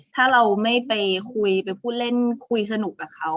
ถ้าเราไม่ไปคุยไปพูดเล่นคุยสนุกกับเขา